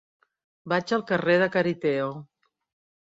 Vaig al carrer de Cariteo.